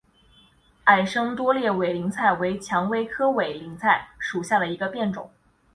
矮生多裂委陵菜为蔷薇科委陵菜属下的一个变种。